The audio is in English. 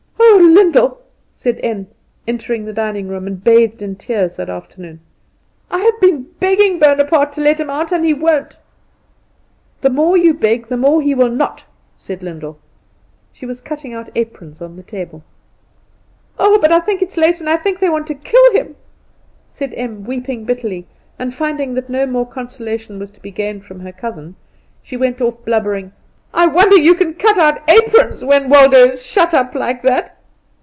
"Oh, Lyndall," said Em, entering the dining room, and bathed in tears, that afternoon, "I have been begging Bonaparte to let him out, and he won't." "The more you beg the more he will not," said Lyndall. She was cutting out aprons on the table. "Oh, but it's late, and I think they want to kill him," said Em, weeping bitterly; and finding that no more consolation was to be gained from her cousin, she went off blubbering "I wonder you can cut out aprons when Waldo is shut up like that."